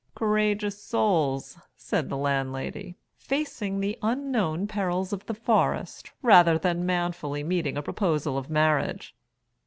"Courageous souls," said the landlady. "Facing the unknown perils of the forest, rather than manfully meeting a proposal of marriage."